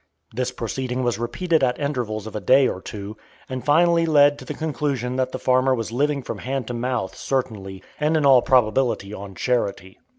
This proceeding was repeated at intervals of a day or two, and finally led to the conclusion that the farmer was living from hand to mouth certainly, and in all probability on charity.